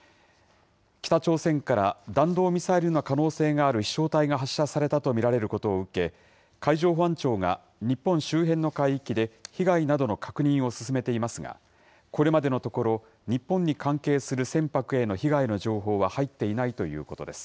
北朝鮮から弾道ミサイルの可能性がある飛しょう体が発射されたと見られることを受け、海上保安庁が日本周辺の海域で被害などの確認を進めていますが、これまでのところ、日本に関係する船舶への被害の情報は入っていないということです。